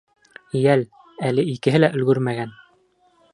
Йәл, әле икеһе лә өлгөрмәгән.